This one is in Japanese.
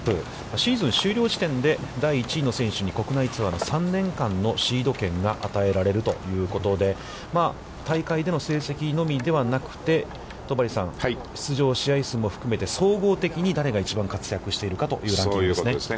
シーズン終了時点で第１位の選手に国内ツアーの３年間のシード権が与えられるということで大会での成績のみではなくて、戸張さん、出場試合数も含めて、総合的に誰が一番活躍しているかというランキングですね。